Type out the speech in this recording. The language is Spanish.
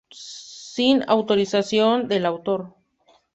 sin autorización del autor